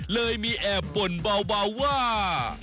เลยมีแอบบ่นเบาว่า